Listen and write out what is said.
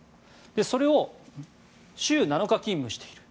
それを週７日勤務していると。